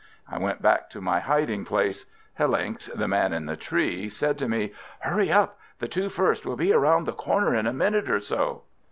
I went back to my hiding place. Hellincks, the man in the tree, said to me: "Hurry up! The two first will be round the corner in a minute or so."